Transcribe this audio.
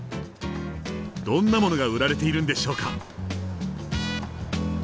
どんなものが売られているんでしょうか？